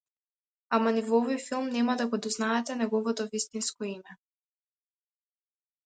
Ама ни во овој филм нема да го дознаете неговото вистинско име.